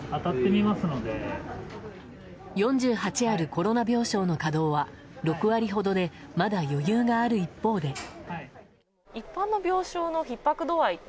４８あるコロナ病床の稼働は６割ほどでまだ余裕がある一方で。